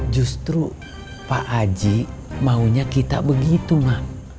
justru pak aji maunya kita begitu mah